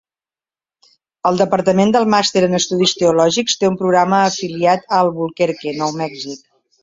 El departament del Màster en Estudis Teològics té un programa afiliat a Albuquerque, Nou Mèxic.